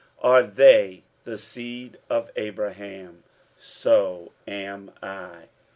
Are they the seed of Abraham? so am I.